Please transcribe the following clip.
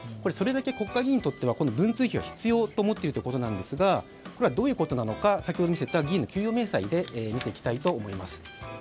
それだけ国会議員にとっては文通費は必要と思っているということなんですがどういうことなのか先ほど見せた議員の給与明細で見ていきます。